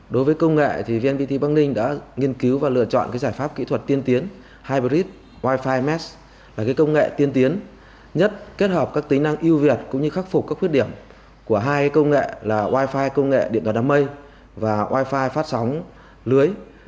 đối với công nghệ vnpt bắc ninh đã nghiên cứu và lựa chọn giải pháp kỹ thuật tiên tiến hybrid wi fi mesh là công nghệ tiên tiến nhất kết hợp các tính năng yêu việt cũng như khắc phục các khuyết điểm của hai công nghệ là wi fi công nghệ điện đoàn đám mây và wi fi phát sóng lưới